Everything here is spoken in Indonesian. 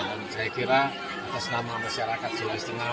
dan saya kira atas nama masyarakat solaistengah